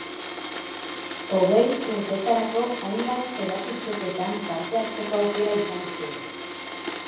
Hogei urtetarako hainbat erakusketetan parte hartzeko aukera izan zuen.